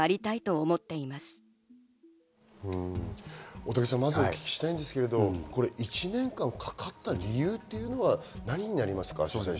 大竹さん、まずお聞きしたいんですけど、１年間かかった理由っていうのは何になりますか？